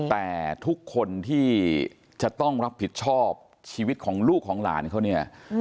แต่ทุกคนที่จะต้องรับผิดชอบชีวิตของลูกของหลานเขาเนี่ย